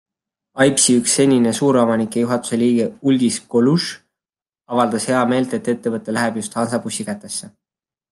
AIPSi üks senine suuromanik ja juhatuse liige Uldis Kolužs avaldas heameelt, et ettevõte läheb just Hansabussi kätesse.